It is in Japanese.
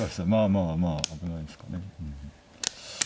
まあまあまあ危ないですかね。